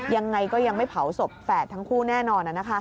ยังไงก็ยังไม่เผาศพแฝดทั้งคู่แน่นอน